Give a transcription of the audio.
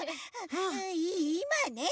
いいまね